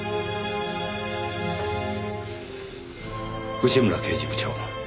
内村刑事部長。